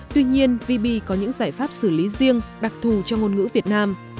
tuy nhiên vb có những giải pháp xử lý riêng đặc thù cho ngôn ngữ việt nam